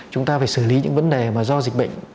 chúng ta phải xử lý những vấn đề mà do dịch bệnh